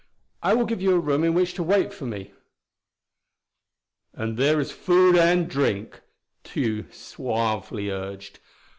"I will give you a room in which to wait for me." "And there is food and drink," Tugh suavely urged.